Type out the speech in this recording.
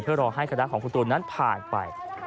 เพื่อรอให้คณะของคุณตูนนั้นผ่านไป